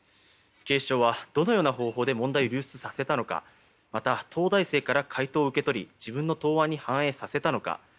警視庁はどのような方法で問題を流出させたのかまた、東大生から解答を受け取り自分の答案に反映させたのか。